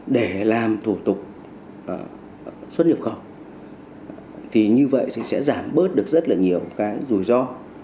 để làm thủ tục xuất nhập khẩu thì như vậy thì sẽ giảm bớt được rất là nhiều cái rủi ro